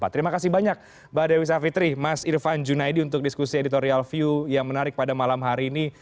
terima kasih banyak mbak dewi savitri mas irfan junaidi untuk diskusi editorial view yang menarik pada malam hari ini